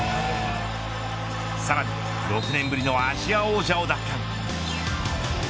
さらに、６年ぶりのアジア王者を奪還。